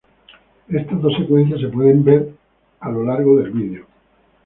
Estas dos secuencias se pueden ver a lo largo del video.